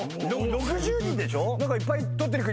６０人でしょ？